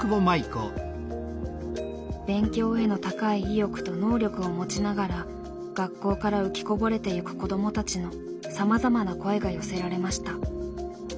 勉強への高い意欲と能力を持ちながら学校から“浮きこぼれ”てゆく子どもたちのさまざまな声が寄せられました。